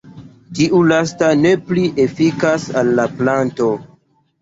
Tiu lasta ne plu efikas al la planto.